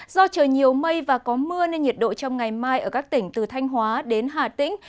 do trời nhiều mây và có mưa nên nhiệt độ trong ngày mai ở các tỉnh từ thanh hóa đến hà tĩnh